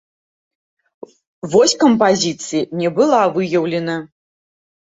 Вось кампазіцыі не была выяўлена.